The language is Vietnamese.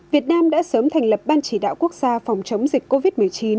việt nam đã sớm thành lập ban chỉ đạo quốc gia phòng chống dịch covid một mươi chín